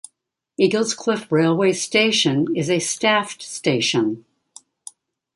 Eaglescliffe railway station is a staffed station.